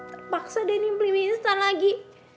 terpaksa denny beli mie instan lagi